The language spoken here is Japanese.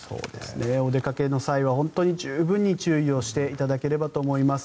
お出かけの際は本当に十分注意をしていただければと思います。